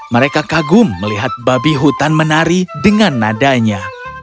mereka kagum melihat babi hutan menari dengan nadanya